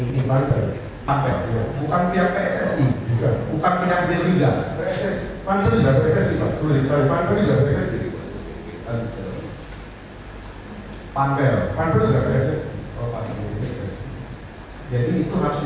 di pantai pantai bukan pihak pssi bukan minyak jaringan pssi pantai pantai